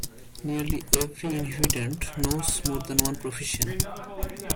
Nearly every inhabitant knows more than one profession.